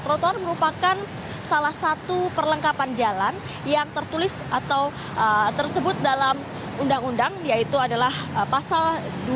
trotoar merupakan salah satu perlengkapan jalan yang tertulis atau tersebut dalam undang undang yaitu adalah pasal dua